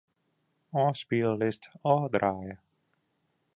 Ofspyllist ôfdraaie.